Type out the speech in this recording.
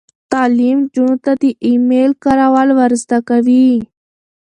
تعلیم نجونو ته د ای میل کارول ور زده کوي.